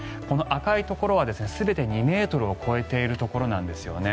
この赤いところは全て２ｍを超えているところです。